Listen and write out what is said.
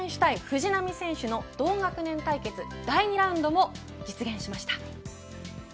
大谷選手対藤浪選手の同学年対決第２ラウンドも実現しました。